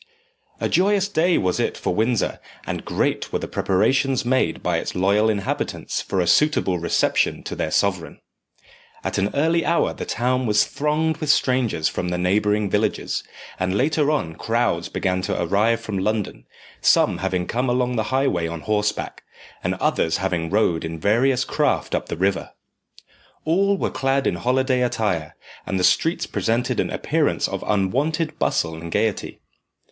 A joyous day was it for Windsor and great were the preparations made by its loyal inhabitants for a suitable reception to their sovereign. At an early hour the town was thronged with strangers from the neighbouring villages, and later on crowds began to arrive from London, some having come along the highway on horseback, and others having rowed in various craft up the river. All were clad in holiday attire, and the streets presented an appearance of unwonted bustle and gaiety.